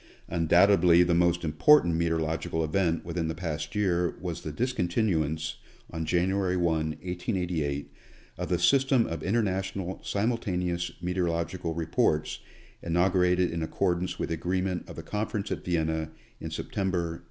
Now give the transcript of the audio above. Undoubtedly the most important meteorological event within the past year was the discontinuance, on January 1, 1888, of the system of International Simultaneous Meteorological re ports inaugurated in accordance with the agreement of the con ference at Vienna in September, 1873.